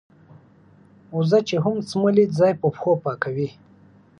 وزه چې هم څملې ځای په پښو پاکوي.